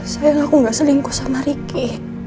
sayang aku gak selingkuh sama riki